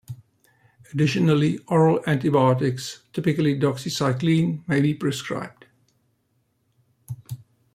Additionally, oral antibiotics, typically doxycycline, may be prescribed.